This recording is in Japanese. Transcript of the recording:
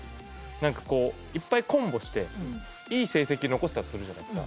なんかこういっぱいコンボしていい成績残せたとするじゃないですか。